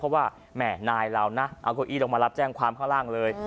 เพราะว่าแม่นายเรานะเอาเก้าอี้ลงมารับแจ้งความข้างล่างเลย